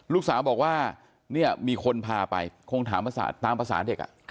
ลูกสาวบอกว่าเนี่ยมีคนพาไปคงถามตามภาษาเด็ก